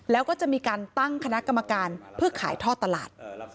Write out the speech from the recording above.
แล้วก็จะมีการตั้งคณะกรรมการเพื่อขายท่อตลาด